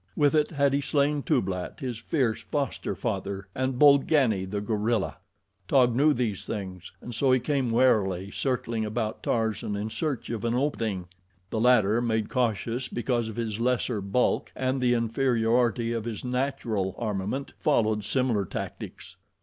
With it had he slain Tublat, his fierce foster father, and Bolgani, the gorilla. Taug knew these things, and so he came warily, circling about Tarzan in search of an opening. The latter, made cautious because of his lesser bulk and the inferiority of his natural armament, followed similar tactics.